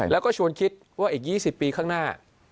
แล้วก็ชวนคิดว่าอีก๒๐ปีข้างหน้า